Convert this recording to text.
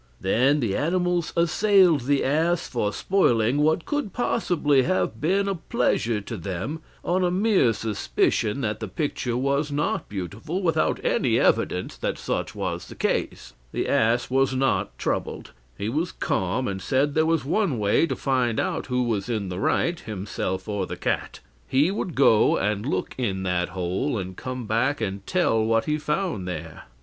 Then the animals assailed the ass for spoiling what could possibly have been a pleasure to them, on a mere suspicion that the picture was not beautiful, without any evidence that such was the case. The ass was not troubled; he was calm, and said there was one way to find out who was in the right, himself or the cat: he would go and look in that hole, and come back and tell what he found there.